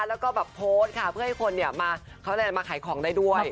แล้วก็โพสเที่ยวให้คนมาขายของได้ด้วย